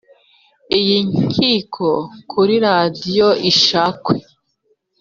iyi nkiko kuri radio ishakwe.